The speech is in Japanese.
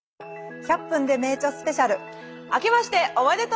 「１００分ｄｅ名著スペシャル」。